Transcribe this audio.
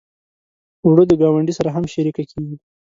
اوړه د ګاونډي سره هم شریکه کېږي